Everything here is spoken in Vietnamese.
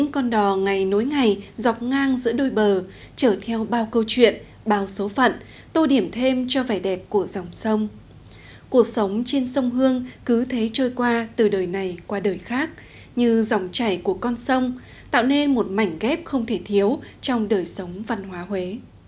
cuộc sống trên sông hương cứ thế trôi qua từ đời này qua đời khác như dòng chảy của con sông tạo nên một mảnh ghép không thể thiếu trong đời sống văn hóa huế